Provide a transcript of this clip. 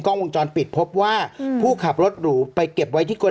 กล้องวงจรปิดพบว่าอืมผู้ขับรดหรูไปเข็บไว้ที่โกร